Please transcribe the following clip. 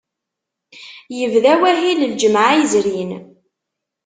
Yebda wahil lǧemɛa yezrin.